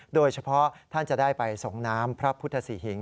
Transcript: โดยเฉพาะท่านจะได้ไปส่งน้ำพระพุทธศรีหิง